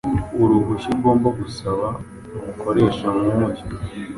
Uruhushya Ugomba gusaba umukoresha nkuyu